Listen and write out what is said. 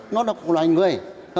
nó là một loài người